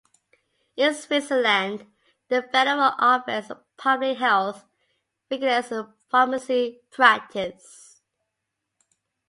In Switzerland, the federal office of public health regulates pharmacy practice.